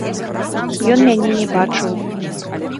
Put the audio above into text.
Ён мяне не бачыў.